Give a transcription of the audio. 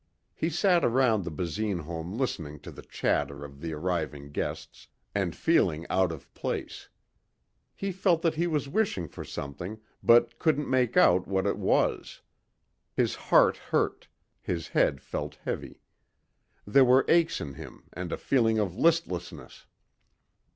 He sat around the Basine home listening to the chatter of the arriving guests and feeling out of place. He felt that he was wishing for something but couldn't make out what it was. His heart hurt, his head felt heavy. There were aches in him and a feeling of listlessness.